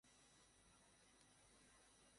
আমাদের প্রহরীর মেয়ের সাথে একটা ঘটনা ঘটেছে, তাই না?